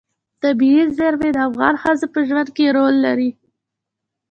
طبیعي زیرمې د افغان ښځو په ژوند کې رول لري.